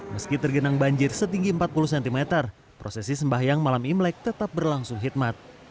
meski tergenang banjir setinggi empat puluh cm prosesi sembahyang malam imlek tetap berlangsung hikmat